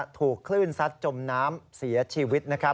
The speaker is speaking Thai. ถูกคลื่นซัดจมน้ำเสียชีวิต